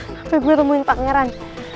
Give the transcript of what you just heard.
sampai gue ketemuin pangeran